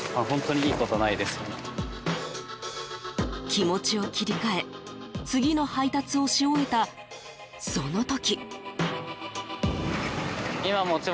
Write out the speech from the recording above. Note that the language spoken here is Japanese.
気持ちを切り替え次の配達をし終えたその時。